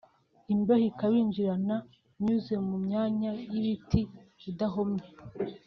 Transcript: imbeho ikabinjirana nyuze mu myanya y’ibiti idahomye